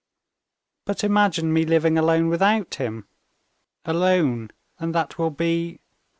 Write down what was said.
But imagine me living alone without him, alone, and that will be